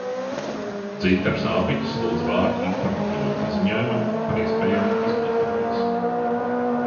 Dzintars Ābiķis lūdz vārdu informatīvam paziņojumam par iespējām izglītoties.